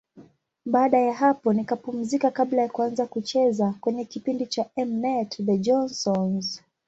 Baada ya hapo nikapumzika kabla ya kuanza kucheza kwenye kipindi cha M-net, The Johnsons.